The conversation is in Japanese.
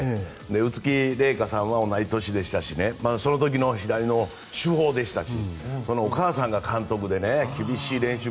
宇津木麗華さんは同じ年でしたしその時の左の主砲でしたしそのお母さんが監督で厳しい練習で。